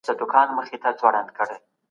موږ به سبا د درناوي خبري وکړو.